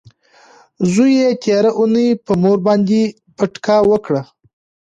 زوی یې تیره اونۍ په مور باندې پټکه وکړه.